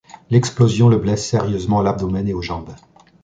L'explosion le blesse sérieusement à l'abdomen et aux jambes.